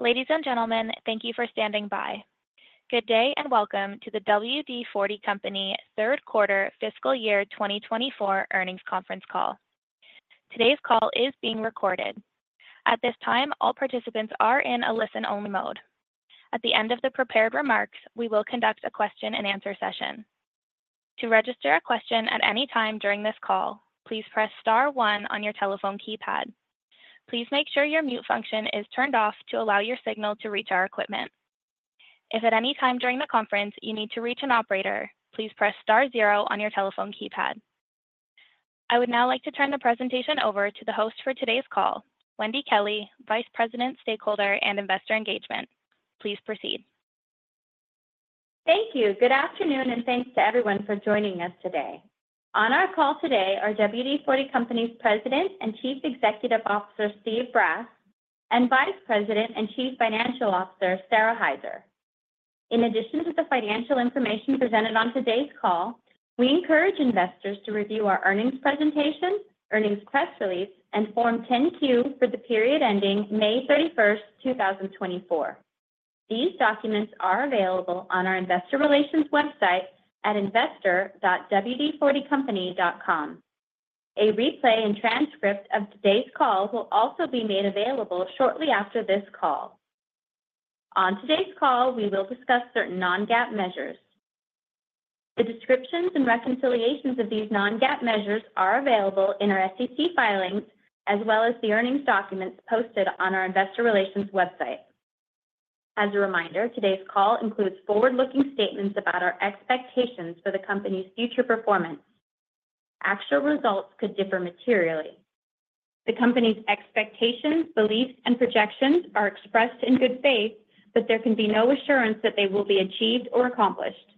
Ladies and gentlemen, thank you for standing by. Good day and welcome to the WD-40 Company Q3 Fiscal Year 2024 Earnings Conference Call. Today's call is being recorded. At this time, all participants are in a listen-only mode. At the end of the prepared remarks, we will conduct a question-and-answer session. To register a question at any time during this call, please press star one on your telephone keypad. Please make sure your mute function is turned off to allow your signal to reach our equipment. If at any time during the conference you need to reach an operator, please press star zero on your telephone keypad. I would now like to turn the presentation over to the host for today's call, Wendy Kelley, Vice President, Stakeholder and Investor Engagement. Please proceed. Thank you. Good afternoon and thanks to everyone for joining us today. On our call today are WD-40 Company's President and Chief Executive Officer, Steve Brass, and Vice President and Chief Financial Officer, Sara Hyzer. In addition to the financial information presented on today's call, we encourage investors to review our earnings presentation, earnings press release, and Form 10-Q for the period ending May 31st, 2024. These documents are available on our investor relations website at investor.wd40company.com. A replay and transcript of today's call will also be made available shortly after this call. On today's call, we will discuss certain non-GAAP measures. The descriptions and reconciliations of these non-GAAP measures are available in our SEC filings as well as the earnings documents posted on our investor relations website. As a reminder, today's call includes forward-looking statements about our expectations for the company's future performance. Actual results could differ materially. The company's expectations, beliefs, and projections are expressed in good faith, but there can be no assurance that they will be achieved or accomplished.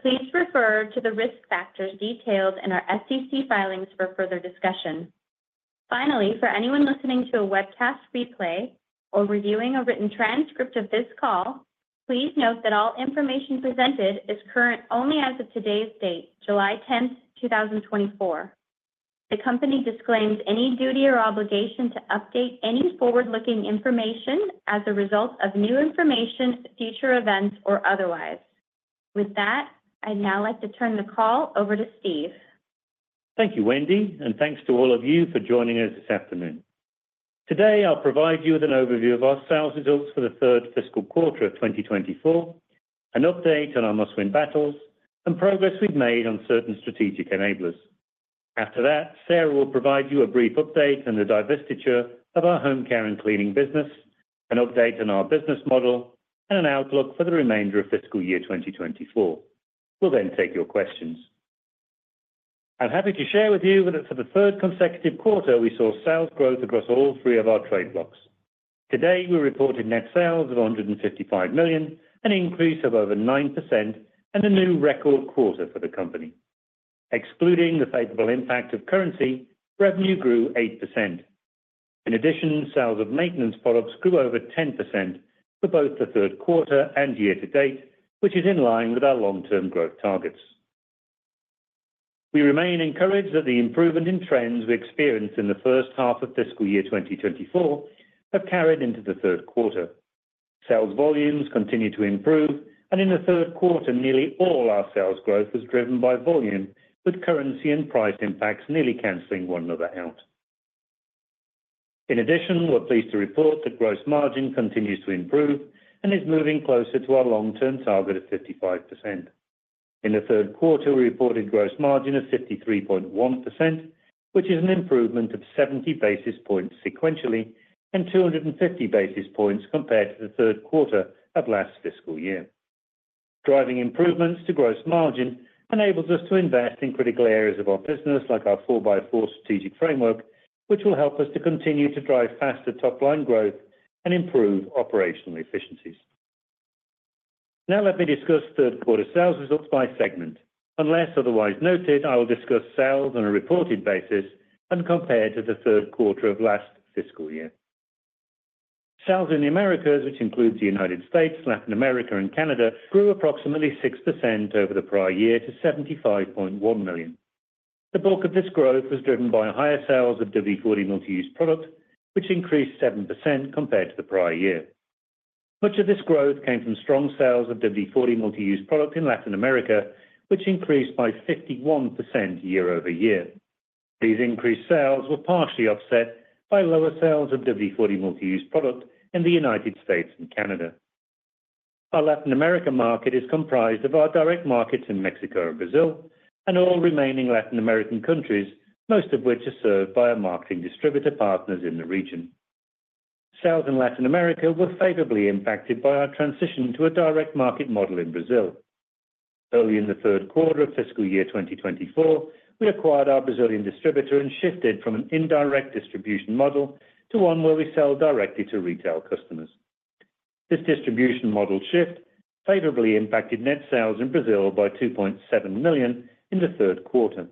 Please refer to the risk factors detailed in our SEC filings for further discussion. Finally, for anyone listening to a webcast replay or reviewing a written transcript of this call, please note that all information presented is current only as of today's date, July 10th, 2024. The company disclaims any duty or obligation to update any forward-looking information as a result of new information, future events, or otherwise. With that, I'd now like to turn the call over to Steve. Thank you, Wendy, and thanks to all of you for joining us this afternoon. Today, I'll provide you with an overview of our sales results for the third fiscal quarter of 2024, an update on our Must-Win Battles, and progress we've made on certain strategic enablers. After that, Sara will provide you a brief update on the divestiture of our home care and cleaning business, an update on our business model, and an outlook for the remainder of fiscal year 2024. We'll then take your questions. I'm happy to share with you that for the third consecutive quarter, we saw sales growth across all three of our trade blocs. Today, we reported net sales of $155 million, an increase of over 9%, and a new record quarter for the company. Excluding the favorable impact of currency, revenue grew 8%. In addition, sales of maintenance products grew over 10% for both the third quarter and year to date, which is in line with our long-term growth targets. We remain encouraged that the improvement in trends we experienced in the first half of fiscal year 2024 have carried into the third quarter. Sales volumes continue to improve, and in the third quarter, nearly all our sales growth was driven by volume, with currency and price impacts nearly canceling one another out. In addition, we're pleased to report that gross margin continues to improve and is moving closer to our long-term target of 55%. In the third quarter, we reported gross margin of 53.1%, which is an improvement of 70 basis points sequentially and 250 basis points compared to the third quarter of last fiscal year. Driving improvements to gross margin enables us to invest in critical areas of our business, like our Four-by-Four Strategic Framework, which will help us to continue to drive faster top-line growth and improve operational efficiencies. Now, let me discuss third quarter sales results by segment. Unless otherwise noted, I will discuss sales on a reported basis and compare to the third quarter of last fiscal year. Sales in the Americas, which includes the United States, Latin America, and Canada, grew approximately 6% over the prior year to $75.1 million. The bulk of this growth was driven by higher sales of WD-40 multi-use Product, which increased 7% compared to the prior year. Much of this growth came from strong sales of WD-40 Multi-Use Product in Latin America, which increased by 51% year-over-year. These increased sales were partially offset by lower sales of WD-40 Multi-Use Product in the United States and Canada. Our Latin America market is comprised of our direct markets in Mexico and Brazil, and all remaining Latin American countries, most of which are served by our marketing distributor partners in the region. Sales in Latin America were favorably impacted by our transition to a direct market model in Brazil. Early in the third quarter of fiscal year 2024, we acquired our Brazilian distributor and shifted from an indirect distribution model to one where we sell directly to retail customers. This distribution model shift favorably impacted net sales in Brazil by $2.7 million in the third quarter.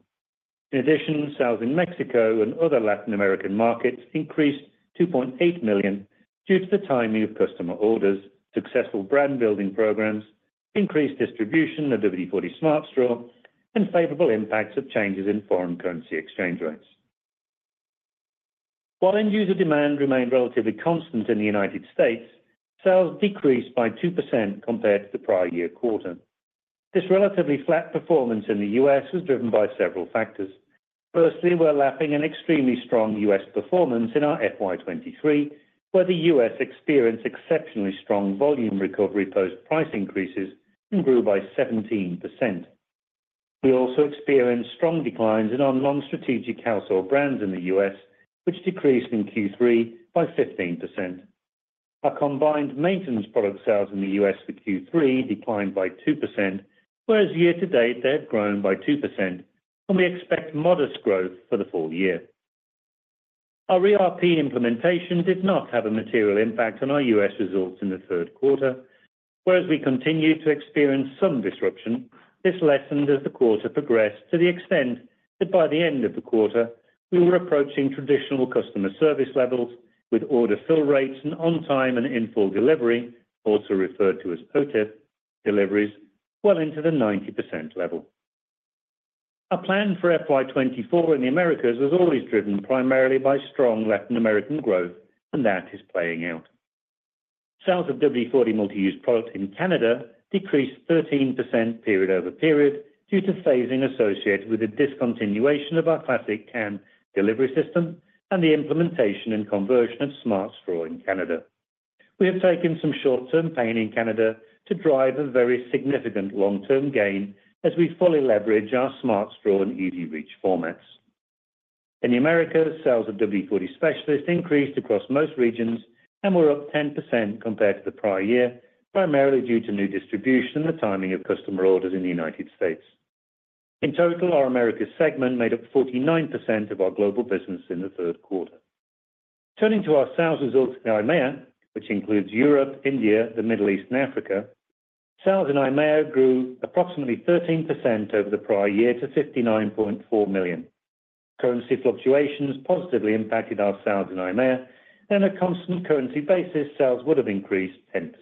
In addition, sales in Mexico and other Latin American markets increased $2.8 million due to the timing of customer orders, successful brand building programs, increased distribution of WD-40 Smart Straw, and favorable impacts of changes in foreign currency exchange rates. While end-user demand remained relatively constant in the United States, sales decreased by 2% compared to the prior year quarter. This relatively flat performance in the U.S. was driven by several factors. Firstly, we're lapping an extremely strong U.S. performance in our FY 2023, where the U.S. experienced exceptionally strong volume recovery post-price increases and grew by 17%. We also experienced strong declines in our non-strategic household brands in the U.S., which decreased in Q3 by 15%. Our combined maintenance product sales in the U.S. for Q3 declined by 2%, whereas year to date they have grown by 2%, and we expect modest growth for the full year. Our ERP implementation did not have a material impact on our U.S. results in the third quarter, whereas we continued to experience some disruption. This lessened as the quarter progressed to the extent that by the end of the quarter, we were approaching traditional customer service levels with order fill rates and on-time and in-full delivery, also referred to as OTIF deliveries, well into the 90% level. Our plan for FY 2024 in the Americas was always driven primarily by strong Latin American growth, and that is playing out. Sales of WD-40 Multi-Use Product in Canada decreased 13% period-over-period due to phasing associated with the discontinuation of our Classic Can delivery system and the implementation and conversion of Smart Straw in Canada. We have taken some short-term pain in Canada to drive a very significant long-term gain as we fully leverage our Smart Straw and EZ-REACH formats. In the Americas, sales of WD-40 Specialist increased across most regions and were up 10% compared to the prior year, primarily due to new distribution and the timing of customer orders in the United States. In total, our Americas segment made up 49% of our global business in the third quarter. Turning to our sales results in EIMEA, which includes Europe, India, the Middle East, and Africa, sales in EIMEA grew approximately 13% over the prior year to $59.4 million. Currency fluctuations positively impacted our sales in EIMEA, and on a constant currency basis, sales would have increased 10%.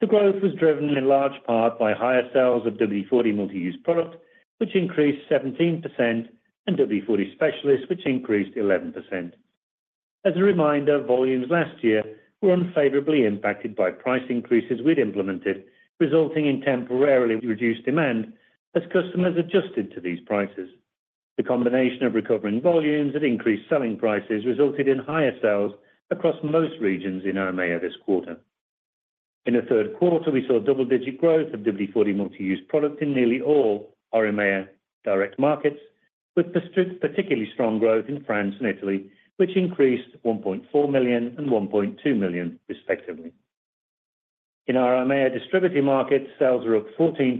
The growth was driven in large part by higher sales of WD-40 Multi-Use Product, which increased 17%, and WD-40 Specialist, which increased 11%. As a reminder, volumes last year were unfavorably impacted by price increases we'd implemented, resulting in temporarily reduced demand as customers adjusted to these prices. The combination of recovering volumes and increased selling prices resulted in higher sales across most regions in EIMEA this quarter. In the third quarter, we saw double-digit growth of WD-40 Multi-Use Product in nearly all our EIMEA direct markets, with particularly strong growth in France and Italy, which increased $1.4 million and $1.2 million, respectively. In our EIMEA distributor markets, sales were up 14%,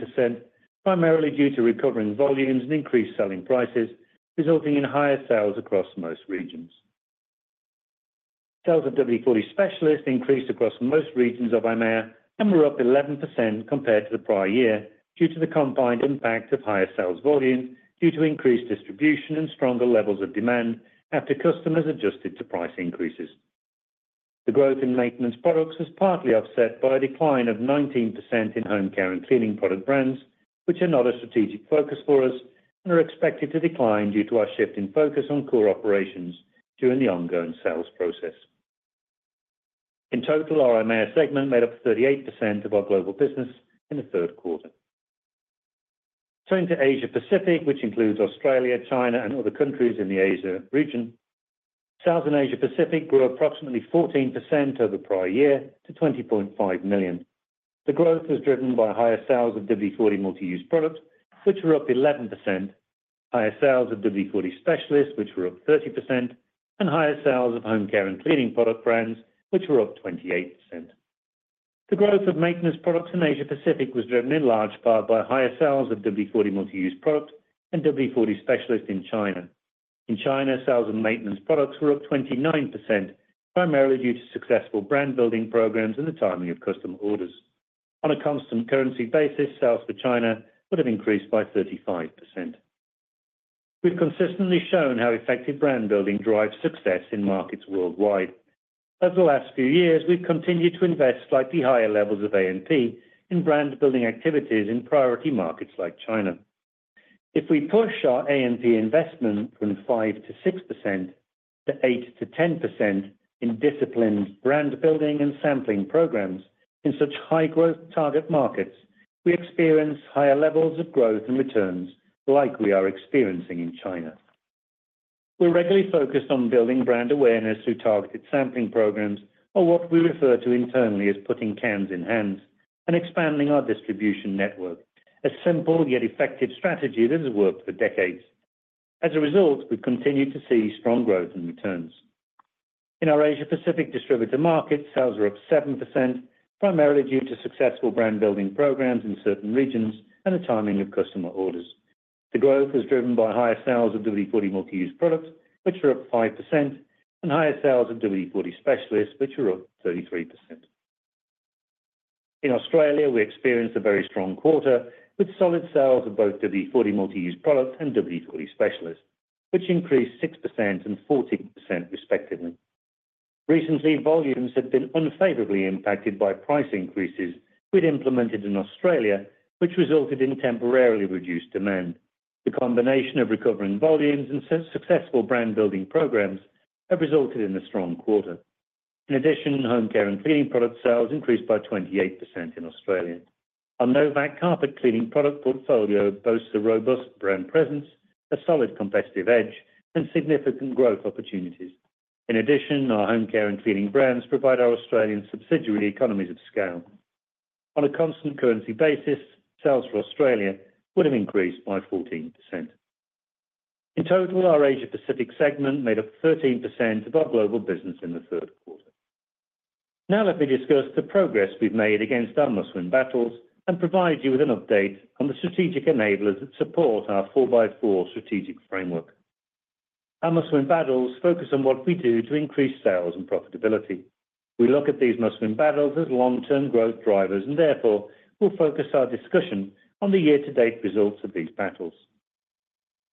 primarily due to recovering volumes and increased selling prices, resulting in higher sales across most regions. Sales of WD-40 Specialist increased across most regions of EIMEA and were up 11% compared to the prior year due to the combined impact of higher sales volumes due to increased distribution and stronger levels of demand after customers adjusted to price increases. The growth in maintenance products was partly offset by a decline of 19% in home care and cleaning product brands, which are not a strategic focus for us and are expected to decline due to our shift in focus on core operations during the ongoing sales process. In total, our EIMEA segment made up 38% of our global business in the third quarter. Turning to Asia Pacific, which includes Australia, China, and other countries in the Asia region, sales in Asia Pacific grew approximately 14% over the prior year to $20.5 million. The growth was driven by higher sales of WD-40 Multi-Use Product, which were up 11%, higher sales of WD-40 Specialist, which were up 30%, and higher sales of home care and cleaning product brands, which were up 28%. The growth of maintenance products in Asia Pacific was driven in large part by higher sales of WD-40 Multi-Use Product and WD-40 Specialist in China. In China, sales of maintenance products were up 29%, primarily due to successful brand building programs and the timing of customer orders. On a constant currency basis, sales for China would have increased by 35%. We've consistently shown how effective brand building drives success in markets worldwide. Over the last few years, we've continued to invest slightly higher levels of A&P in brand building activities in priority markets like China. If we push our A&P investment from 5% to 6% to 8% to 10% in disciplined brand building and sampling programs in such high-growth target markets, we experience higher levels of growth and returns like we are experiencing in China. We're regularly focused on building brand awareness through targeted sampling programs, or what we refer to internally as putting Classic Cans in hands, and expanding our distribution network, a simple yet effective strategy that has worked for decades. As a result, we've continued to see strong growth and returns. In our Asia Pacific distributor markets, sales were up 7%, primarily due to successful brand building programs in certain regions and the timing of customer orders. The growth was driven by higher sales of WD-40 Multi-Use Product, which were up 5%, and higher sales of WD-40 Specialist, which were up 33%. In Australia, we experienced a very strong quarter with solid sales of both WD-40 Multi-Use Product and WD-40 Specialist, which increased 6% and 14%, respectively. Recently, volumes had been unfavorably impacted by price increases we'd implemented in Australia, which resulted in temporarily reduced demand. The combination of recovering volumes and successful brand building programs has resulted in a strong quarter. In addition, home care and cleaning product sales increased by 28% in Australia. Our no vac carpet cleaning product portfolio boasts a robust brand presence, a solid competitive edge, and significant growth opportunities. In addition, our home care and cleaning brands provide our Australian subsidiary economies of scale. On a constant currency basis, sales for Australia would have increased by 14%. In total, our Asia Pacific segment made up 13% of our global business in the third quarter. Now, let me discuss the progress we've made against our must-win battles and provide you with an update on the strategic enablers that support our four-by-four Strategic Framework. Our Must-Win Battles focus on what we do to increase sales and profitability. We look at these must-win battles as long-term growth drivers, and therefore, we'll focus our discussion on the year-to-date results of these battles.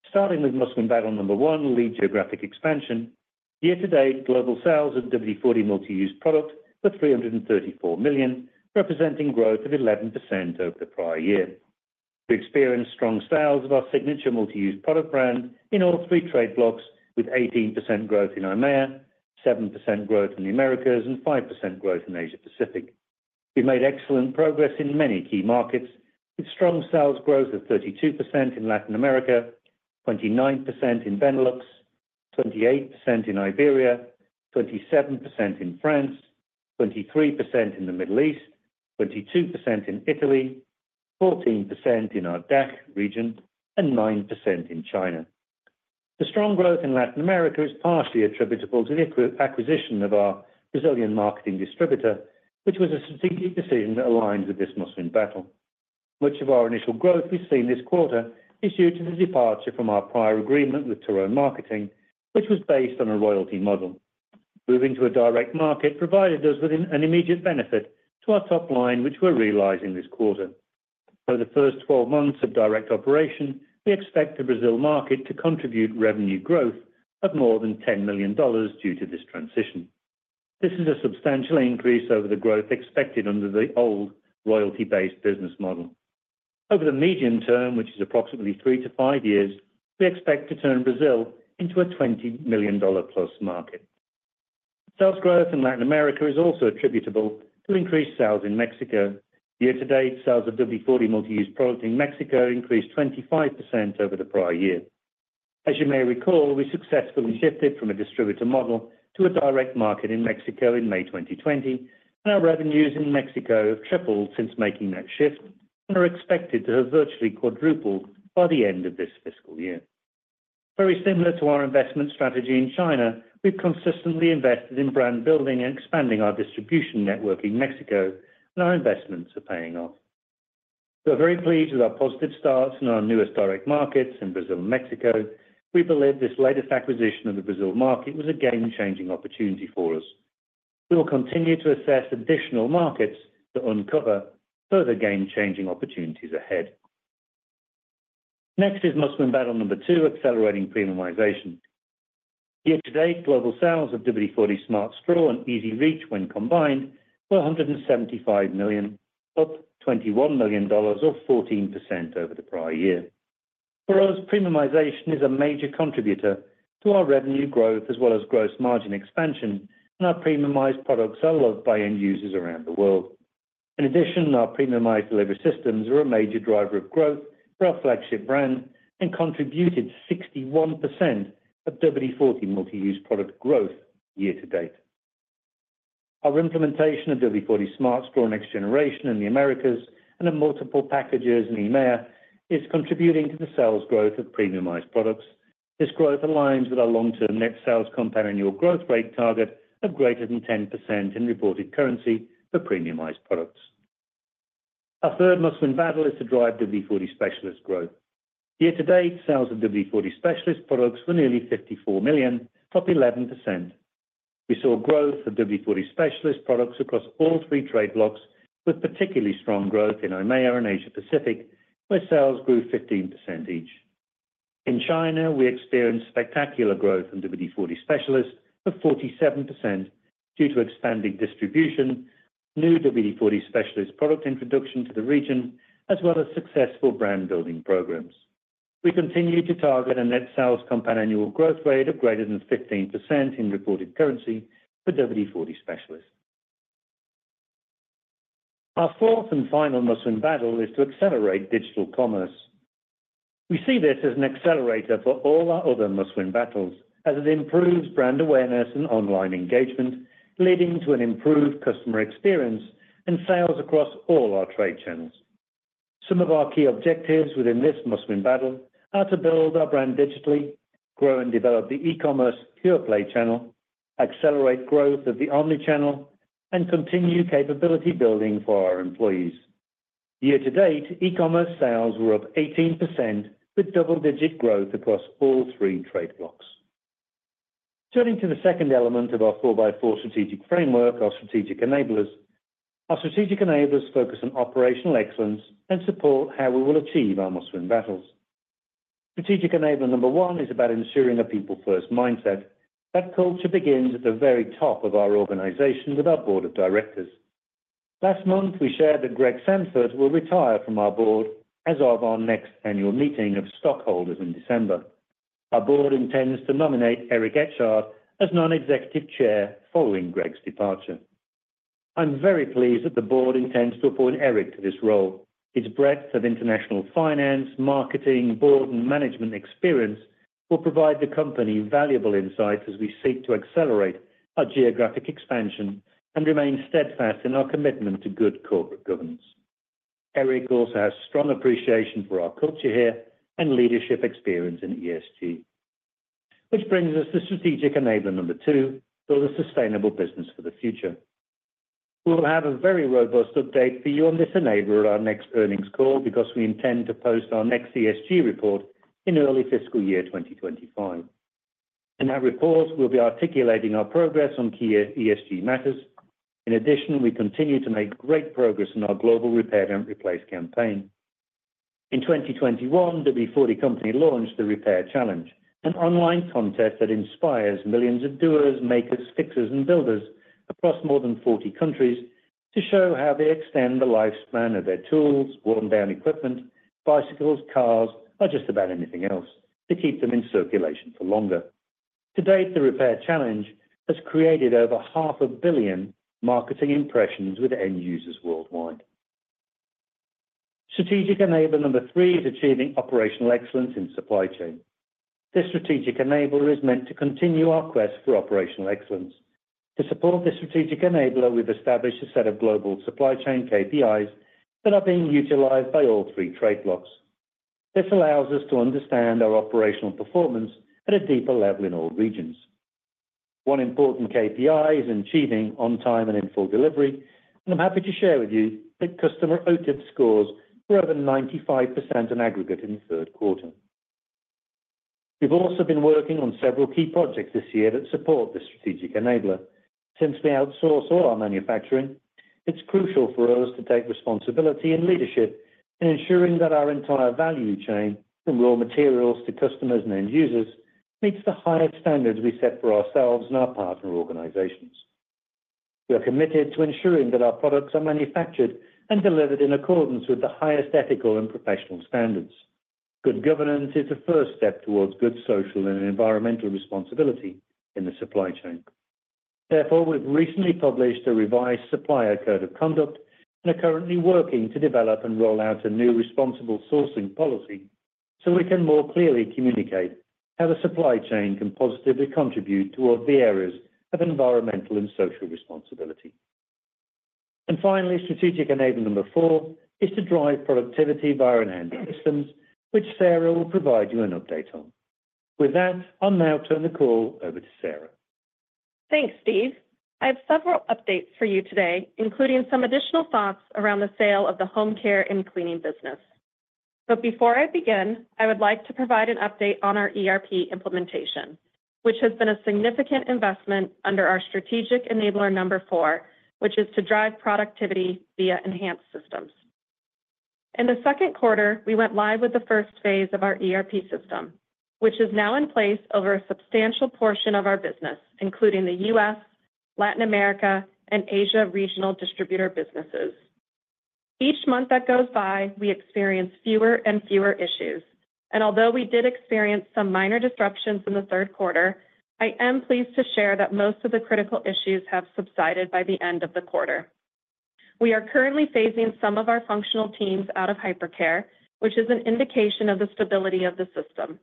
Starting with must-win battle number 1, lead geographic expansion. Year-to-date, global sales of WD-40 Multi-Use Product were $334 million, representing growth of 11% over the prior year. We experienced strong sales of our signature Multi-Use Product brand in all three trade blocs, with 18% growth in EIMEA, 7% growth in the Americas, and 5% growth in Asia Pacific. We've made excellent progress in many key markets, with strong sales growth of 32% in Latin America, 29% in Benelux, 28% in Iberia, 27% in France, 23% in the Middle East, 22% in Italy, 14% in our DACH region, and 9% in China. The strong growth in Latin America is partially attributable to the acquisition of our Brazilian marketing distributor, which was a strategic decision that aligned with this must-win battle. Much of our initial growth we've seen this quarter is due to the departure from our prior agreement with Theron Marketing, which was based on a royalty model. Moving to a direct market provided us with an immediate benefit to our top line, which we're realizing this quarter. Over the first 12 months of direct operation, we expect the Brazil market to contribute revenue growth of more than $10 million due to this transition. This is a substantial increase over the growth expected under the old royalty-based business model. Over the medium term, which is approximately three to five years, we expect to turn Brazil into a $20+ million market. Sales growth in Latin America is also attributable to increased sales in Mexico. Year-to-date, sales of WD-40 Multi-Use Product in Mexico increased 25% over the prior year. As you may recall, we successfully shifted from a distributor model to a direct market in Mexico in May 2020, and our revenues in Mexico have tripled since making that shift and are expected to have virtually quadrupled by the end of this fiscal year. Very similar to our investment strategy in China, we've consistently invested in brand building and expanding our distribution network in Mexico, and our investments are paying off. We're very pleased with our positive starts in our newest direct markets in Brazil and Mexico. We believe this latest acquisition of the Brazil market was a game-changing opportunity for us. We will continue to assess additional markets to uncover further game-changing opportunities ahead. Next is must-win battle number two, accelerating premiumization. Year-to-date, global sales of WD-40 Smart Straw and EZ-Reach, when combined, were $175 million, up $21 million, or 14% over the prior year. For us, premiumization is a major contributor to our revenue growth as well as gross margin expansion, and our premiumized products are loved by end users around the world. In addition, our premiumized delivery systems are a major driver of growth for our flagship brand and contributed 61% of WD-40 Multi-Use Product growth year-to-date. Our implementation of WD-40 Smart Straw Next Generation in the Americas and in multiple packages in EIMEA is contributing to the sales growth of premiumized products. This growth aligns with our long-term net sales compound annual growth rate target of greater than 10% in reported currency for premiumized products. Our third must-win battle is to drive WD-40 Specialist growth. Year-to-date, sales of WD-40 Specialist products were nearly $54 million, up 11%. We saw growth of WD-40 Specialist products across all three trade blocs, with particularly strong growth in EIMEA and Asia Pacific, where sales grew 15% each. In China, we experienced spectacular growth in WD-40 Specialist of 47% due to expanding distribution, new WD-40 Specialist product introduction to the region, as well as successful brand building programs. We continue to target a net sales compound annual growth rate of greater than 15% in reported currency for WD-40 Specialist. Our fourth and final Must-Win Battles is to accelerate digital commerce. We see this as an accelerator for all our other Must-Win Battles, as it improves brand awareness and online engagement, leading to an improved customer experience and sales across all our trade channels. Some of our key objectives within this Must-Win Battles are to build our brand digitally, grow and develop the e-commerce Pure Play channel, accelerate growth of the omnichannel, and continue capability building for our employees. Year-to-date, e-commerce sales were up 18%, with double-digit growth across all three trade blocs. Turning to the second element of our four-by-four strategic framework, our strategic enablers. Our strategic enablers focus on operational excellence and support how we will achieve our Must-Win Battles. Strategic enabler number one is about ensuring a people-first mindset. That culture begins at the very top of our organization with our board of directors. Last month, we shared that Gregg Sandford will retire from our board as of our next annual meeting of stockholders in December. Our board intends to nominate Eric Etchart as non-executive chair following Gregg's departure. I'm very pleased that the board intends to appoint Eric Etchart to this role. His breadth of international finance, marketing, board, and management experience will provide the company valuable insights as we seek to accelerate our geographic expansion and remain steadfast in our commitment to good corporate governance. Eric Etchart also has strong appreciation for our culture here and leadership experience in ESG, which brings us to strategic enabler number 2, build a sustainable business for the future. We'll have a very robust update for you on this enabler at our next earnings call because we intend to post our next ESG report in early fiscal year 2025. In that report, we'll be articulating our progress on key ESG matters. In addition, we continue to make great progress in our global repair and replace campaign. In 2021, WD-40 Company launched the Repair Challenge, an online contest that inspires millions of doers, makers, fixers, and builders across more than 40 countries to show how they extend the lifespan of their tools, worn-down equipment, bicycles, cars, or just about anything else to keep them in circulation for longer. To date, the Repair Challenge has created over half a billion marketing impressions with end users worldwide. Strategic enabler number three is achieving operational excellence in supply chain. This strategic enabler is meant to continue our quest for operational excellence. To support this strategic enabler, we've established a set of global supply chain KPIs that are being utilized by all three trade blocs. This allows us to understand our operational performance at a deeper level in all regions. One important KPI is achieving on-time and in-full delivery, and I'm happy to share with you that customer OTIF scores were over 95% in aggregate in the third quarter. We've also been working on several key projects this year that support this strategic enabler. Since we outsource all our manufacturing, it's crucial for us to take responsibility and leadership in ensuring that our entire value chain, from raw materials to customers and end users, meets the highest standards we set for ourselves and our partner organizations. We are committed to ensuring that our products are manufactured and delivered in accordance with the highest ethical and professional standards. Good governance is the first step towards good social and environmental responsibility in the supply chain. Therefore, we've recently published a revised supplier code of conduct and are currently working to develop and roll out a new responsible sourcing policy so we can more clearly communicate how the supply chain can positively contribute towards the areas of environmental and social responsibility. Finally, strategic enabler number four is to drive productivity via enhanced systems, which Sara will provide you an update on. With that, I'll now turn the call over to Sara. Thanks, Steve. I have several updates for you today, including some additional thoughts around the sale of the home care and cleaning business. Before I begin, I would like to provide an update on our ERP implementation, which has been a significant investment under our strategic enabler number four, which is to drive productivity via enhanced systems. In the second quarter, we went live with the first phase of our ERP system, which is now in place over a substantial portion of our business, including the U.S., Latin America, and Asia regional distributor businesses. Each month that goes by, we experience fewer and fewer issues. Although we did experience some minor disruptions in the third quarter, I am pleased to share that most of the critical issues have subsided by the end of the quarter. We are currently phasing some of our functional teams out of hypercare, which is an indication of the stability of the system.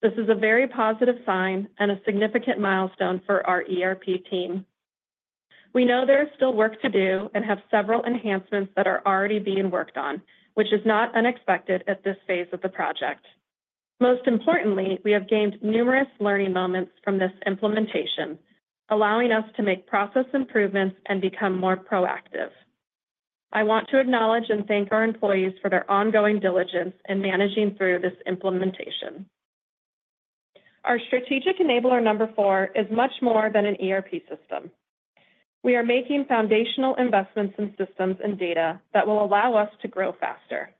This is a very positive sign and a significant milestone for our ERP team. We know there is still work to do and have several enhancements that are already being worked on, which is not unexpected at this phase of the project. Most importantly, we have gained numerous learning moments from this implementation, allowing us to make process improvements and become more proactive. I want to acknowledge and thank our employees for their ongoing diligence in managing through this implementation. Our strategic enabler number 4 is much more than an ERP system. We are making foundational investments in systems and data that will allow us to grow faster.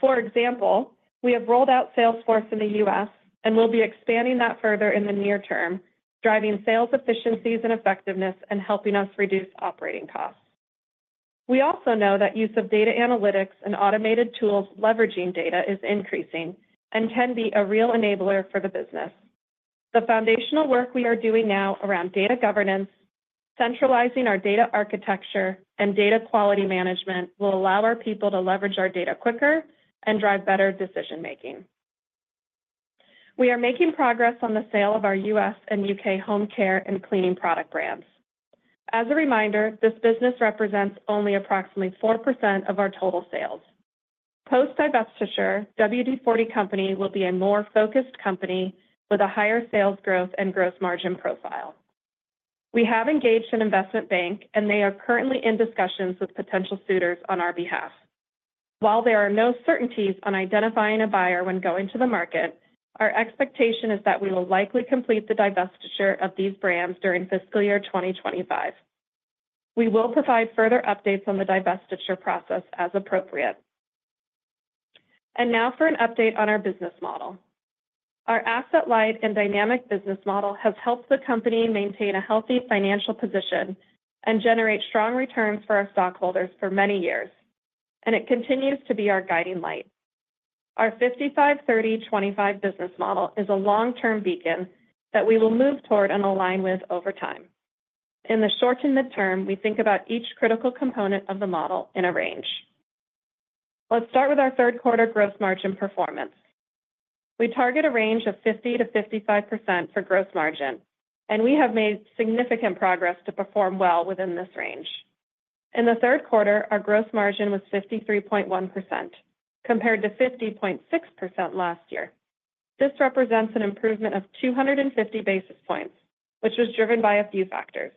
For example, we have rolled out Salesforce in the U.S. and will be expanding that further in the near term, driving sales efficiencies and effectiveness and helping us reduce operating costs. We also know that use of data analytics and automated tools leveraging data is increasing and can be a real enabler for the business. The foundational work we are doing now around data governance, centralizing our data architecture, and data quality management will allow our people to leverage our data quicker and drive better decision-making. We are making progress on the sale of our U.S. and U.K. home care and cleaning product brands. As a reminder, this business represents only approximately 4% of our total sales. Post-divestiture, WD-40 Company will be a more focused company with a higher sales growth and gross margin profile. We have engaged an investment bank, and they are currently in discussions with potential suitors on our behalf. While there are no certainties on identifying a buyer when going to the market, our expectation is that we will likely complete the divestiture of these brands during fiscal year 2025. We will provide further updates on the divestiture process as appropriate. Now for an update on our business model. Our asset-light and dynamic business model has helped the company maintain a healthy financial position and generate strong returns for our stockholders for many years, and it continues to be our guiding light. Our 55-30-25 Business Model is a long-term beacon that we will move toward and align with over time. In the short to midterm, we think about each critical component of the model in a range. Let's start with our third quarter gross margin performance. We target a range of 50%-55% for gross margin, and we have made significant progress to perform well within this range. In the third quarter, our gross margin was 53.1%, compared to 50.6% last year. This represents an improvement of 250 basis points, which was driven by a few factors.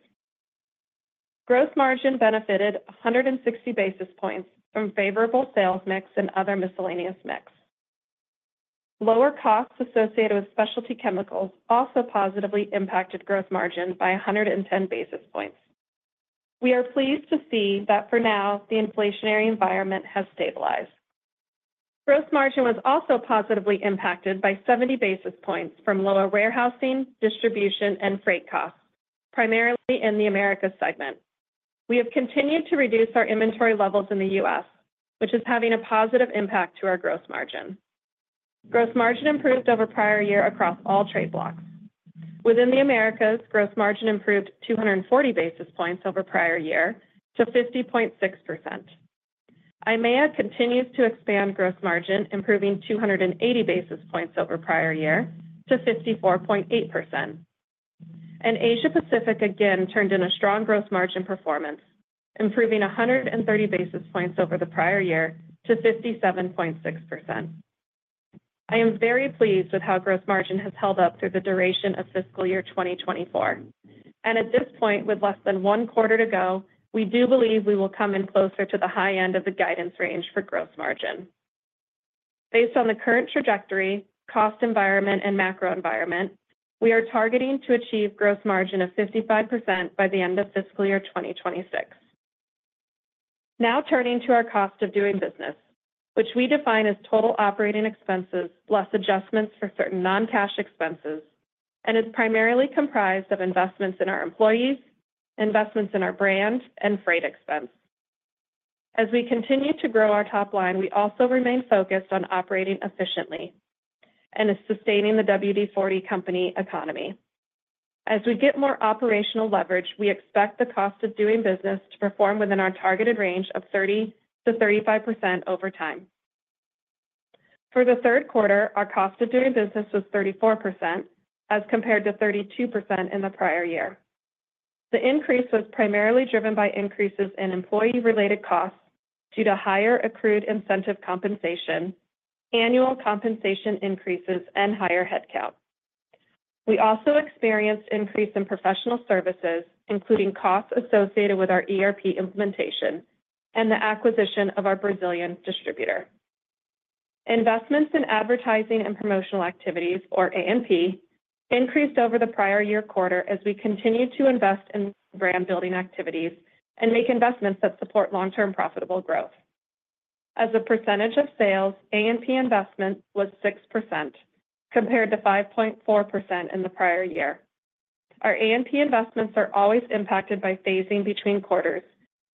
Gross margin benefited 160 basis points from favorable sales mix and other miscellaneous mix. Lower costs associated with specialty chemicals also positively impacted gross margin by 110 basis points. We are pleased to see that for now, the inflationary environment has stabilized. Gross margin was also positively impacted by 70 basis points from lower warehousing, distribution, and freight costs, primarily in the Americas segment. We have continued to reduce our inventory levels in the U.S., which is having a positive impact to our gross margin. Gross margin improved over prior year across all trade blocs. Within the Americas, gross margin improved 240 basis points over prior year to 50.6%. EIMEA continues to expand gross margin, improving 280 basis points over prior year to 54.8%. Asia Pacific again turned in a strong gross margin performance, improving 130 basis points over the prior year to 57.6%. I am very pleased with how gross margin has held up through the duration of fiscal year 2024. At this point, with less than one quarter to go, we do believe we will come in closer to the high end of the guidance range for gross margin. Based on the current trajectory, cost environment, and macro environment, we are targeting to achieve gross margin of 55% by the end of fiscal year 2026. Now turning to our cost of doing business, which we define as total operating expenses plus adjustments for certain non-cash expenses, and it's primarily comprised of investments in our employees, investments in our brand, and freight expense. As we continue to grow our top line, we also remain focused on operating efficiently and sustaining the WD-40 Company economy. As we get more operational leverage, we expect the cost of doing business to perform within our targeted range of 30%-35% over time. For the third quarter, our cost of doing business was 34% as compared to 32% in the prior year. The increase was primarily driven by increases in employee-related costs due to higher accrued incentive compensation, annual compensation increases, and higher headcount. We also experienced increases in professional services, including costs associated with our ERP implementation and the acquisition of our Brazilian distributor. Investments in advertising and promotional activities, or A&P, increased over the prior year quarter as we continued to invest in brand-building activities and make investments that support long-term profitable growth. As a percentage of sales, A&P investment was 6% compared to 5.4% in the prior year. Our A&P investments are always impacted by phasing between quarters,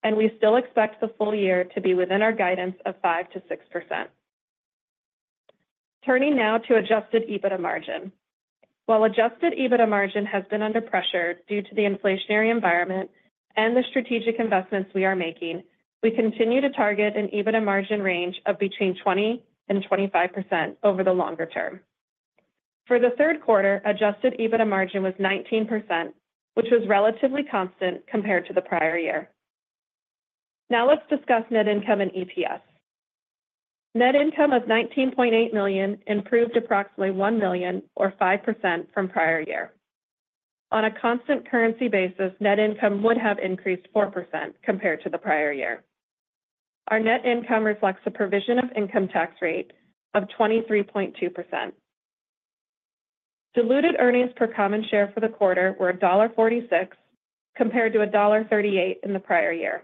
and we still expect the full year to be within our guidance of 5% to 6%. Turning now to Adjusted EBITDA margin. While Adjusted EBITDA margin has been under pressure due to the inflationary environment and the strategic investments we are making, we continue to target an EBITDA margin range of between 20% and 25% over the longer term. For the third quarter, adjusted EBITDA margin was 19%, which was relatively constant compared to the prior year. Now let's discuss net income and EPS. Net income of $19.8 million improved approximately $1 million, or 5%, from prior year. On a constant currency basis, net income would have increased 4% compared to the prior year. Our net income reflects a provision of income tax rate of 23.2%. Diluted earnings per common share for the quarter were $1.46 compared to $1.38 in the prior year.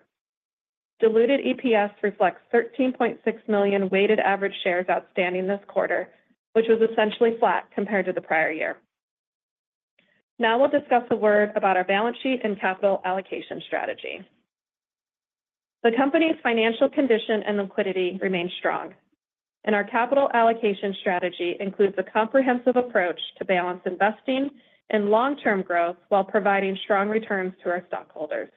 Diluted EPS reflects $13.6 million weighted average shares outstanding this quarter, which was essentially flat compared to the prior year. Now we'll discuss a word about our balance sheet and capital allocation strategy. The company's financial condition and liquidity remain strong, and our capital allocation strategy includes a comprehensive approach to balance investing and long-term growth while providing strong returns to our stockholders.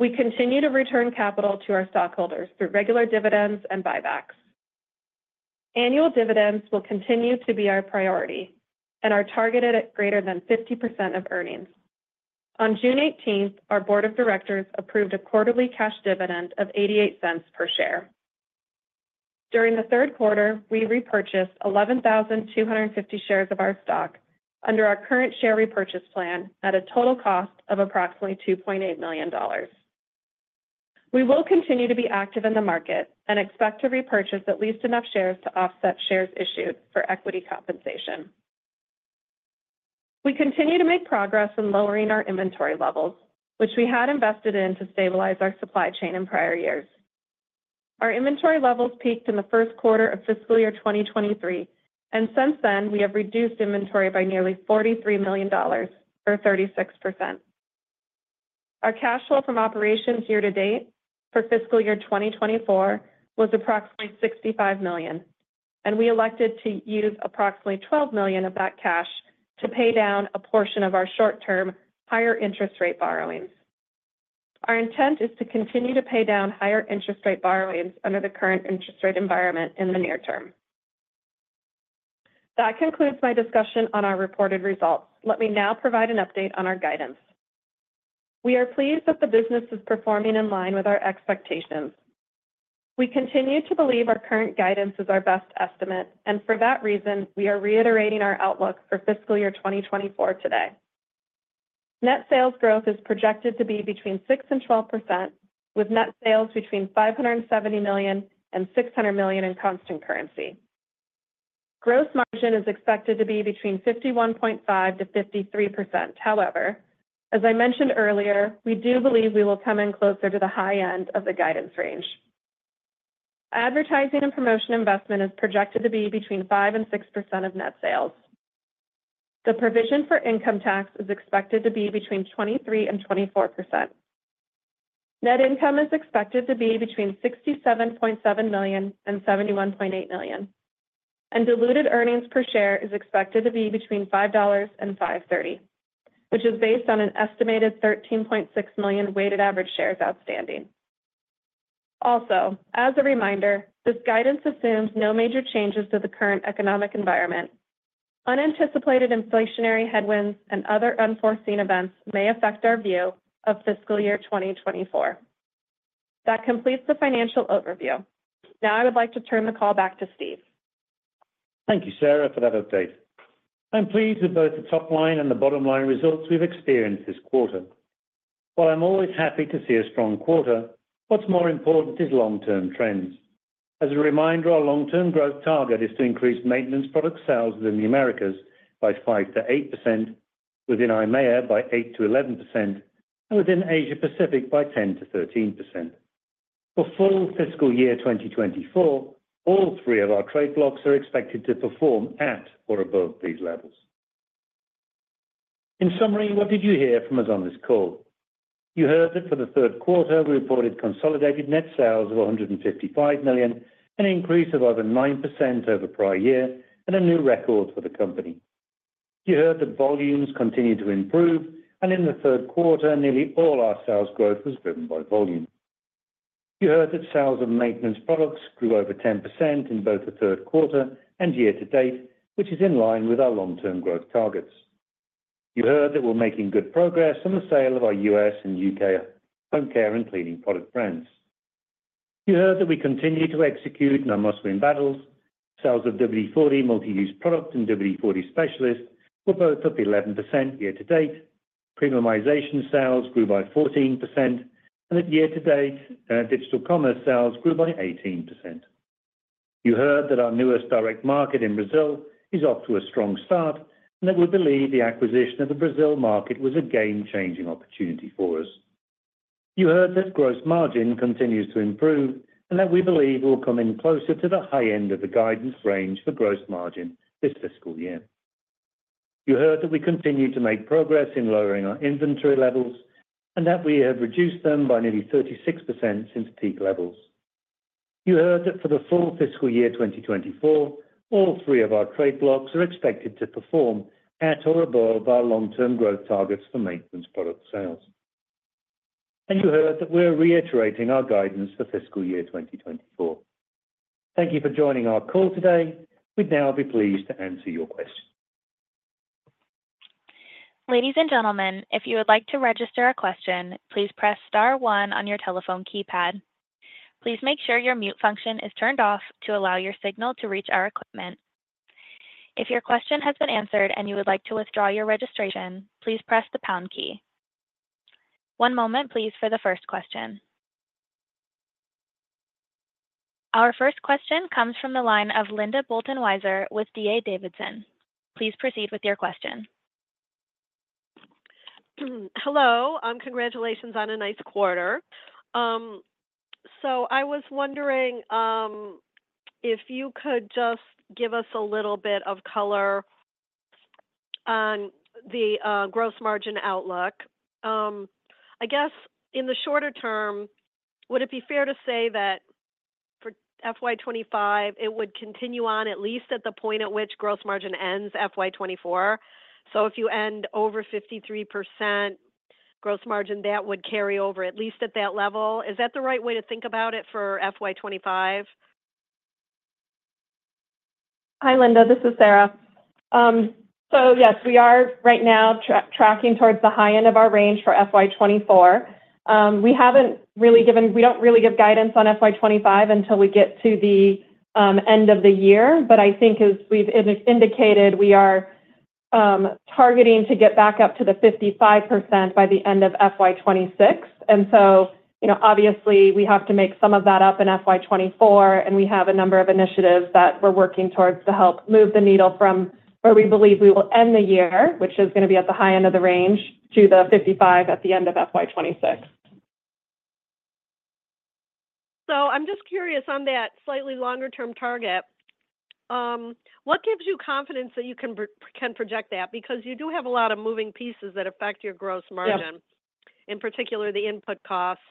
We continue to return capital to our stockholders through regular dividends and buybacks. Annual dividends will continue to be our priority, and are targeted at greater than 50% of earnings. On June 18th, our board of directors approved a quarterly cash dividend of $0.88 per share. During the third quarter, we repurchased 11,250 shares of our stock under our current share repurchase plan at a total cost of approximately $2.8 million. We will continue to be active in the market and expect to repurchase at least enough shares to offset shares issued for equity compensation. We continue to make progress in lowering our inventory levels, which we had invested in to stabilize our supply chain in prior years. Our inventory levels peaked in the first quarter of fiscal year 2023, and since then, we have reduced inventory by nearly $43 million, or 36%. Our cash flow from operations year to date for fiscal year 2024 was approximately $65 million, and we elected to use approximately $12 million of that cash to pay down a portion of our short-term higher interest rate borrowings. Our intent is to continue to pay down higher interest rate borrowings under the current interest rate environment in the near term. That concludes my discussion on our reported results. Let me now provide an update on our guidance. We are pleased that the business is performing in line with our expectations. We continue to believe our current guidance is our best estimate, and for that reason, we are reiterating our outlook for fiscal year 2024 today. Net sales growth is projected to be between 6% and 12%, with net sales between $570 million and $600 million in constant currency. Gross margin is expected to be between 51.5% to 53%. However, as I mentioned earlier, we do believe we will come in closer to the high end of the guidance range. Advertising and promotion investment is projected to be between 5% and 6% of net sales. The provision for income tax is expected to be between 23% and 24%. Net income is expected to be between $67.7 million and $71.8 million, and diluted earnings per share is expected to be between $5.00 and $5.30, which is based on an estimated 13.6 million weighted average shares outstanding. Also, as a reminder, this guidance assumes no major changes to the current economic environment. Unanticipated inflationary headwinds and other unforeseen events may affect our view of fiscal year 2024. That completes the financial overview. Now I would like to turn the call back to Steve. Thank you, Sara, for that update. I'm pleased with both the top line and the bottom line results we've experienced this quarter. While I'm always happy to see a strong quarter, what's more important is long-term trends. As a reminder, our long-term growth target is to increase maintenance product sales within the Americas by 5% to 8%, within EIMEA by 8% to 11%, and within Asia Pacific by 10% to 13%. For full fiscal year 2024, all three of our trade blocs are expected to perform at or above these levels. In summary, what did you hear from us on this call? You heard that for the third quarter, we reported consolidated net sales of $155 million, an increase of over 9% over prior year, and a new record for the company. You heard that volumes continued to improve, and in the third quarter, nearly all our sales growth was driven by volume. You heard that sales of maintenance products grew over 10% in both the third quarter and year to date, which is in line with our long-term growth targets. You heard that we're making good progress on the sale of our U.S. and U.K. home care and cleaning product brands. You heard that we continue to execute must-win battles. Sales of WD-40 Multi-Use Product and WD-40 Specialist were both up 11% year to date. Premiumization sales grew by 14%, and at year to date, digital commerce sales grew by 18%. You heard that our newest direct market in Brazil is off to a strong start, and that we believe the acquisition of the Brazil market was a game-changing opportunity for us. You heard that gross margin continues to improve and that we believe we'll come in closer to the high end of the guidance range for gross margin this fiscal year. You heard that we continue to make progress in lowering our inventory levels and that we have reduced them by nearly 36% since peak levels. You heard that for the full fiscal year 2024, all three of our trade blocs are expected to perform at or above our long-term growth targets for maintenance product sales. You heard that we're reiterating our guidance for fiscal year 2024. Thank you for joining our call today. We'd now be pleased to answer your questions. Ladies and gentlemen, if you would like to register a question, please press star one on your telephone keypad. Please make sure your mute function is turned off to allow your signal to reach our equipment. If your question has been answered and you would like to withdraw your registration, please press the pound key. One moment, please, for the first question. Our first question comes from the line of Linda Bolton-Weiser with D.A. Davidson. Please proceed with your question. Hello. Congratulations on a nice quarter. So I was wondering if you could just give us a little bit of color on the gross margin outlook. I guess in the shorter term, would it be fair to say that for FY 2025, it would continue on at least at the point at which gross margin ends FY 2024? So if you end over 53% gross margin, that would carry over at least at that level. Is that the right way to think about it for FY 2025? Hi, Linda. This is Sara. So yes, we are right now tracking towards the high end of our range for FY 2024. We haven't really given, we don't really give guidance on FY 2025 until we get to the end of the year, but I think as we've indicated, we are targeting to get back up to the 55% by the end of FY 2026. And so obviously, we have to make some of that up in FY 2024, and we have a number of initiatives that we're working towards to help move the needle from where we believe we will end the year, which is going to be at the high end of the range, to the 55% at the end of FY 2026. So I'm just curious on that slightly longer-term target. What gives you confidence that you can project that? Because you do have a lot of moving pieces that affect your gross margin, in particular the input costs.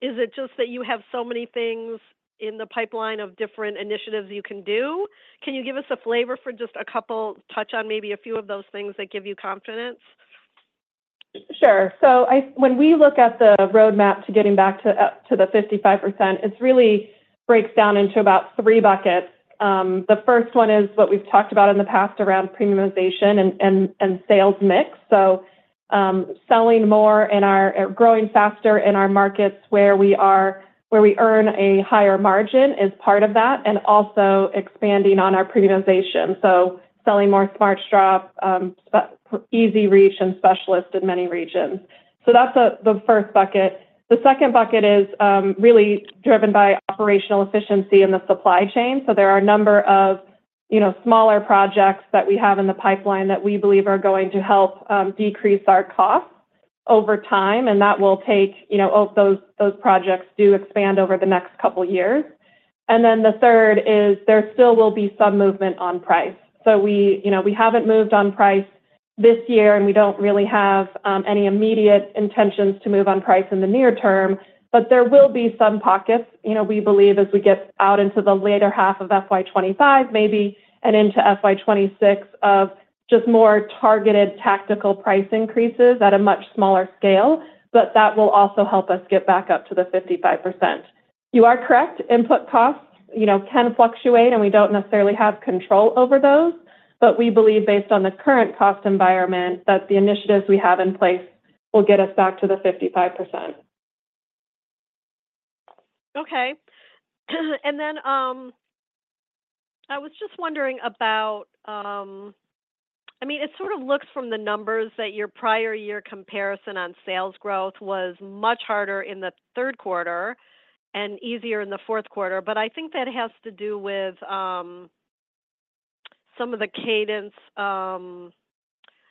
Is it just that you have so many things in the pipeline of different initiatives you can do? Can you give us a flavor for just a couple, touch on maybe a few of those things that give you confidence? Sure. So when we look at the roadmap to getting back to the 55%, it really breaks down into about three buckets. The first one is what we've talked about in the past around premiumization and sales mix. So selling more and growing faster in our markets where we earn a higher margin is part of that, and also expanding on our premiumization. So selling more Smart Straw, EZ-REACH, and Specialist in many regions. So that's the first bucket. The second bucket is really driven by operational efficiency in the supply chain. So there are a number of smaller projects that we have in the pipeline that we believe are going to help decrease our costs over time, and that will take. Those projects do expand over the next couple of years. And then the third is there still will be some movement on price. So we haven't moved on price this year, and we don't really have any immediate intentions to move on price in the near term, but there will be some pockets. We believe as we get out into the later half of FY 2025, maybe, and into FY 2026, of just more targeted tactical price increases at a much smaller scale, but that will also help us get back up to the 55%. You are correct. Input costs can fluctuate, and we don't necessarily have control over those, but we believe based on the current cost environment that the initiatives we have in place will get us back to the 55%. Okay. And then I was just wondering about - I mean, it sort of looks from the numbers that your prior year comparison on sales growth was much harder in the third quarter and easier in the fourth quarter, but I think that has to do with some of the cadence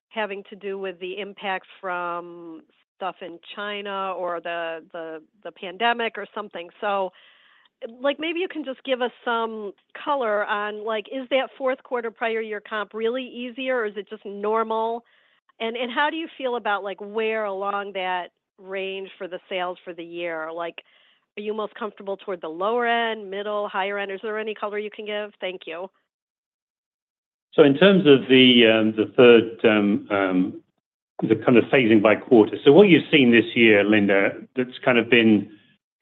having to do with the impact from stuff in China or the pandemic or something. So maybe you can just give us some color on, is that fourth quarter prior year comp really easier, or is it just normal? And how do you feel about where along that range for the sales for the year? Are you most comfortable toward the lower end, middle, higher end? Is there any color you can give? Thank you. So in terms of the third, the kind of phasing by quarter, so what you've seen this year, Linda, that's kind of been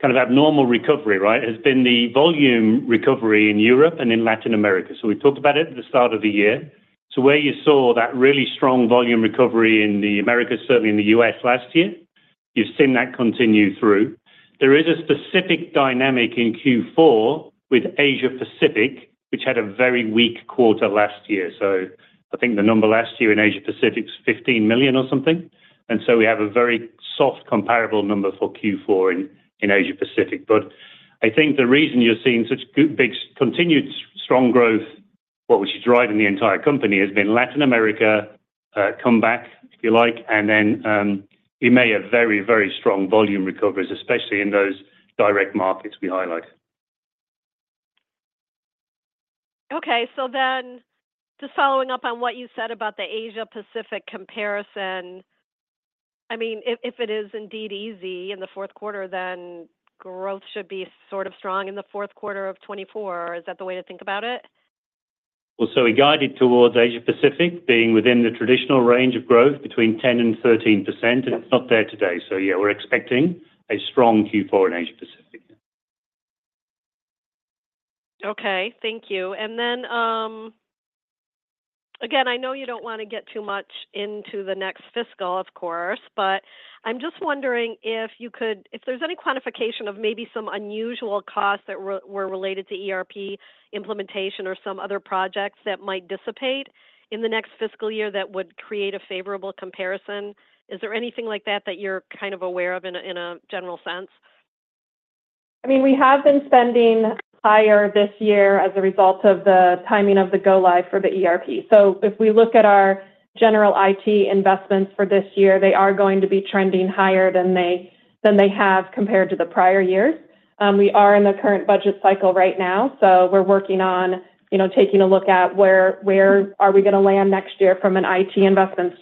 kind of abnormal recovery, right, has been the volume recovery in Europe and in Latin America. So we talked about it at the start of the year. So where you saw that really strong volume recovery in the Americas, certainly in the US last year, you've seen that continue through. There is a specific dynamic in Q4 with Asia Pacific, which had a very weak quarter last year. So I think the number last year in Asia Pacific was $15 million or something. And so we have a very soft comparable number for Q4 in Asia Pacific. But I think the reason you're seeing such big continued strong growth, which is driving the entire company, has been Latin America comeback, if you like, and then we may have very, very strong volume recoveries, especially in those direct markets we highlighted. Okay. So then just following up on what you said about the Asia Pacific comparison, I mean, if it is indeed easy in the fourth quarter, then growth should be sort of strong in the fourth quarter of 2024. Is that the way to think about it? Well, so we guided towards Asia Pacific being within the traditional range of growth between 10% and 13%, and it's not there today. So yeah, we're expecting a strong Q4 in Asia Pacific. Okay. Thank you. Then again, I know you don't want to get too much into the next fiscal, of course, but I'm just wondering if there's any quantification of maybe some unusual costs that were related to ERP implementation or some other projects that might dissipate in the next fiscal year that would create a favorable comparison. Is there anything like that that you're kind of aware of in a general sense? I mean, we have been spending higher this year as a result of the timing of the go-live for the ERP. So if we look at our general IT investments for this year, they are going to be trending higher than they have compared to the prior years. We are in the current budget cycle right now, so we're working on taking a look at where are we going to land next year from an IT investment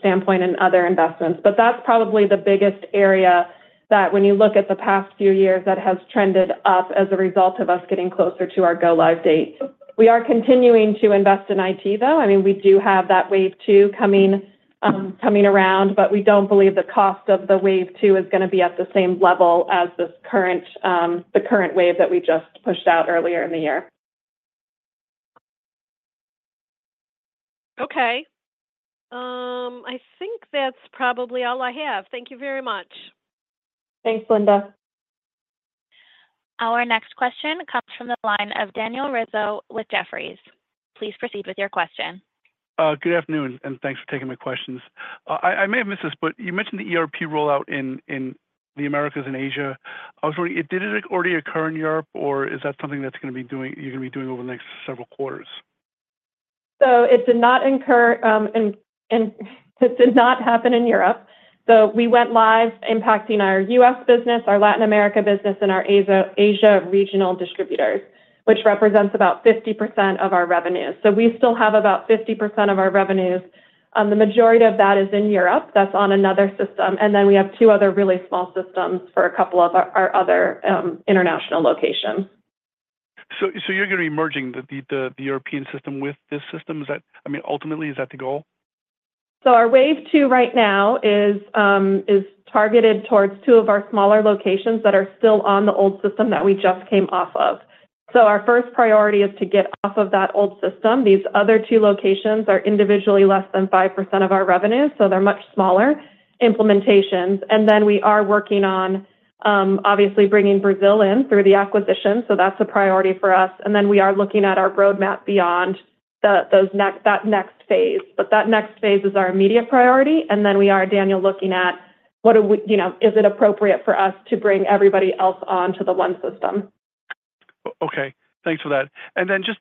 standpoint and other investments. But that's probably the biggest area that when you look at the past few years that has trended up as a result of us getting closer to our go-live date. We are continuing to invest in IT, though. I mean, we do have that wave two coming around, but we don't believe the cost of the wave two is going to be at the same level as the current wave that we just pushed out earlier in the year. Okay. I think that's probably all I have. Thank you very much. Thanks, Linda. Our next question comes from the line of Daniel Rizzo with Jefferies. Please proceed with your question. Good afternoon, and thanks for taking my questions. I may have missed this, but you mentioned the ERP rollout in the Americas and Asia. Did it already occur in Europe, or is that something that's going to be doing you're going to be doing over the next several quarters? So it did not occur and it did not happen in Europe. So we went live, impacting our U.S. business, our Latin America business, and our Asia regional distributors, which represents about 50% of our revenue. So we still have about 50% of our revenues. The majority of that is in Europe. That's on another system. And then we have two other really small systems for a couple of our other international locations. So you're going to be merging the European system with this system. I mean, ultimately, is that the goal? So our wave two right now is targeted towards two of our smaller locations that are still on the old system that we just came off of. So our first priority is to get off of that old system. These other two locations are individually less than 5% of our revenue, so they're much smaller implementations. And then we are working on, obviously, bringing Brazil in through the acquisition. So that's a priority for us. And then we are looking at our roadmap beyond that next phase. But that next phase is our immediate priority. And then we are, Daniel, looking at, is it appropriate for us to bring everybody else on to the one system? Okay. Thanks for that. And then just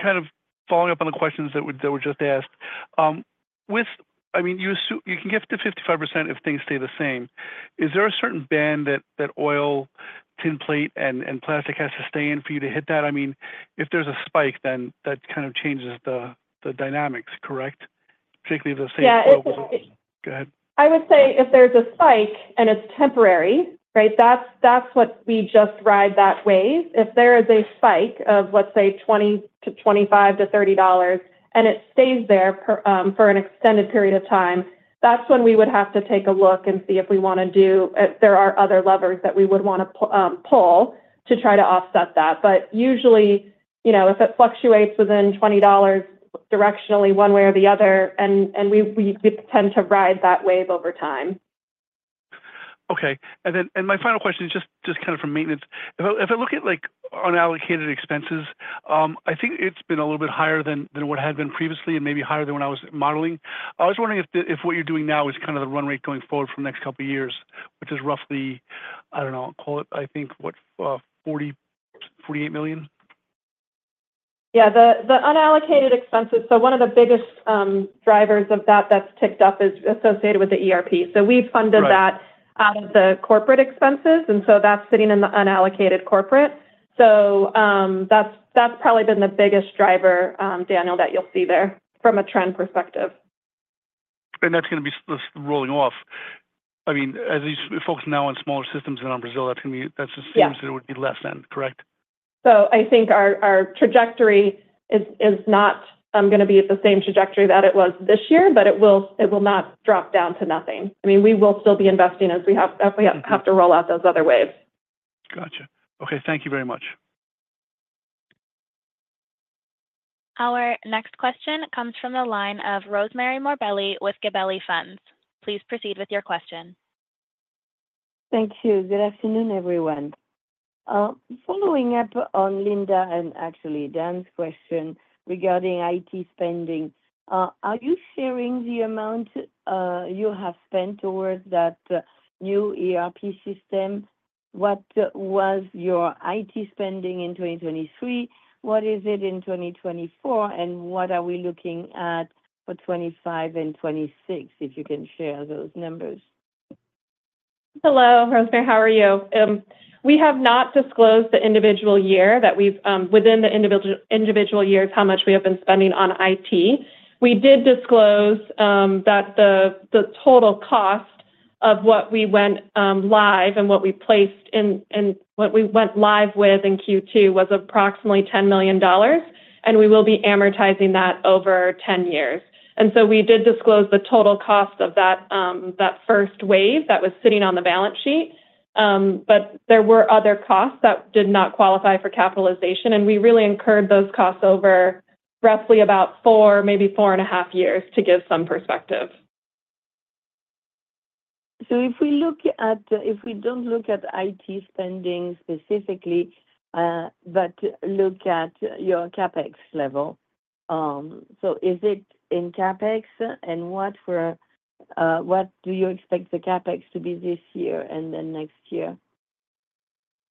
kind of following up on the questions that were just asked, I mean, you can get to 55% if things stay the same. Is there a certain band that oil, tinplate, and plastic has to stay in for you to hit that? I mean, if there's a spike, then that kind of changes the dynamics, correct? Particularly if the same approach was go ahead. I would say if there's a spike and it's temporary, right, that's what we just ride that wave. If there is a spike of, let's say, $20 to $25 to $30 and it stays there for an extended period of time, that's when we would have to take a look and see if we want to do if there are other levers that we would want to pull to try to offset that. But usually, if it fluctuates within $20 directionally one way or the other, and we tend to ride that wave over time. Okay. And then my final question is just kind of from maintenance. If I look at unallocated expenses, I think it's been a little bit higher than what it had been previously and maybe higher than when I was modeling. I was wondering if what you're doing now is kind of the run rate going forward for the next couple of years, which is roughly, I don't know, I think what, $48 million? Yeah. The unallocated expenses, so one of the biggest drivers of that that's ticked up is associated with the ERP. So we funded that out of the corporate expenses, and so that's sitting in the unallocated corporate. So that's probably been the biggest driver, Daniel, that you'll see there from a trend perspective. And that's going to be rolling off. I mean, as we focus now on smaller systems and on Brazil, that's assumed that it would be less than, correct? I think our trajectory is not going to be at the same trajectory that it was this year, but it will not drop down to nothing. I mean, we will still be investing as we have to roll out those other waves. Gotcha. Okay. Thank you very much. Our next question comes from the line of Rosemarie Morbelli with Gabelli Funds. Please proceed with your question. Thank you. Good afternoon, everyone. Following up on Linda and actually Dan's question regarding IT spending, are you sharing the amount you have spent towards that new ERP system? What was your IT spending in 2023? What is it in 2024? And what are we looking at for 2025 and 2026 if you can share those numbers? Hello, Rosemarie. How are you? We have not disclosed the individual year that we've within the individual years how much we have been spending on IT. We did disclose that the total cost of what we went live and what we placed and what we went live with in Q2 was approximately $10 million, and we will be amortizing that over 10 years. And so we did disclose the total cost of that first wave that was sitting on the balance sheet, but there were other costs that did not qualify for capitalization, and we really incurred those costs over roughly about 4, maybe 4.5 years to give some perspective. So if we don't look at IT spending specifically, but look at your CapEx level, so is it in CapEx and what do you expect the CapEx to be this year and then next year?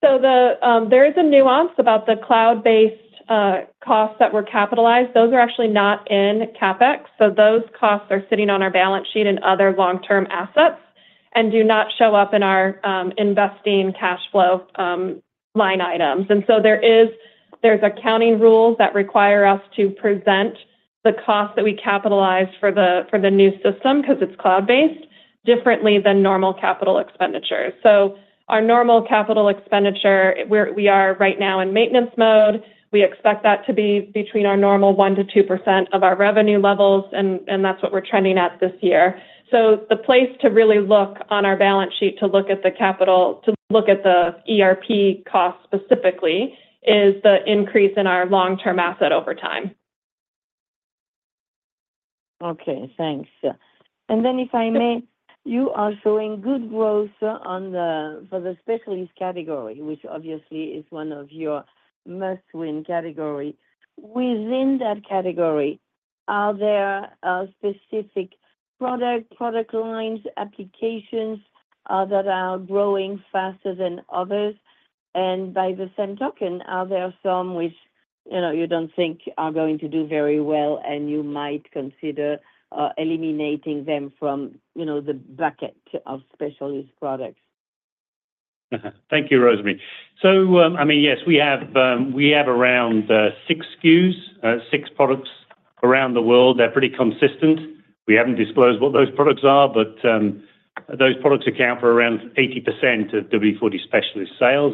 So there is a nuance about the cloud-based costs that were capitalized. Those are actually not in CapEx. So those costs are sitting on our balance sheet and other long-term assets and do not show up in our investing cash flow line items. So there's accounting rules that require us to present the costs that we capitalize for the new system because it's cloud-based differently than normal capital expenditure. Our normal capital expenditure, we are right now in maintenance mode. We expect that to be between our normal 1% to 2% of our revenue levels, and that's what we're trending at this year. So the place to really look on our balance sheet to look at the capital to look at the ERP costs specifically is the increase in our long-term asset over time. Okay. Thanks. And then if I may, you are showing good growth for the specialist category, which obviously is one of your must-win categories. Within that category, are there specific product lines, applications that are growing faster than others? And by the same token, are there some which you don't think are going to do very well, and you might consider eliminating them from the bucket of specialist products? Thank you, Rosemarie. So I mean, yes, we have around 6 SKUs, 6 products around the world. They're pretty consistent. We haven't disclosed what those products are, but those products account for around 80% of WD-40 Specialist sales.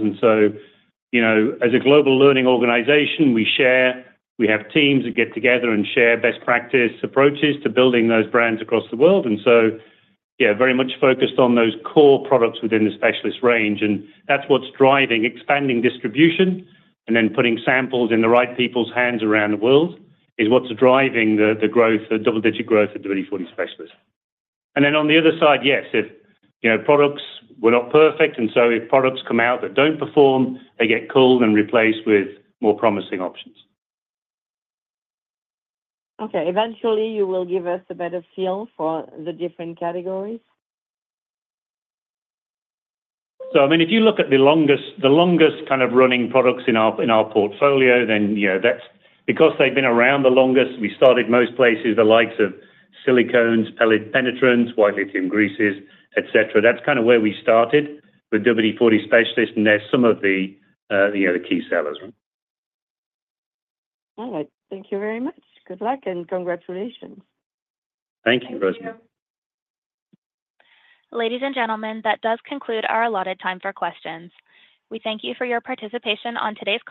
And so as a global learning organization, we share. We have teams that get together and share best practice approaches to building those brands across the world. And so yeah, very much focused on those core products within the Specialist range. And that's what's driving expanding distribution and then putting samples in the right people's hands around the world is what's driving the growth, the double-digit growth of WD-40 Specialist. And then on the other side, yes, if products were not perfect, and so if products come out that don't perform, they get cooled and replaced with more promising options. Okay. Eventually, you will give us a better feel for the different categories? So I mean, if you look at the longest kind of running products in our portfolio, then yeah, that's because they've been around the longest. We started most places the likes of silicones, penetrants, white lithium greases, etc. That's kind of where we started with WD-40 Specialist, and they're some of the key sellers. All right. Thank you very much. Good luck and congratulations. Thank you, Rosemary. Ladies and gentlemen, that does conclude our allotted time for questions. We thank you for your participation on today's.